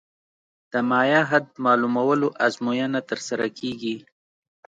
د مایع حد معلومولو ازموینه ترسره کیږي